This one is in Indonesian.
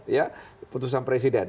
ya putusan presiden